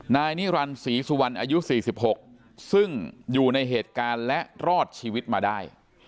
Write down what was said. นายนิรันดิศรีสุวรรณอายุ๔๖ซึ่งอยู่ในเหตุการณ์และรอดชีวิตมาได้